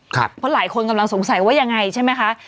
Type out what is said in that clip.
เพราะหลายคนกำลังสงสัยว่ายังไงใช่ไหมคะ